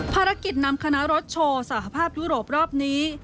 ภารกิจนำคณะรถโชว์สหภาพยุโรปรอบนี้